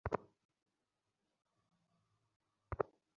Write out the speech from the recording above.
ধন্যবাদ, বিল।